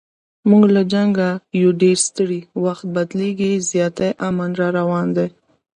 موږ له جنګه یو ډېر ستړي، وخت بدلیږي زیاتي امن را روان دی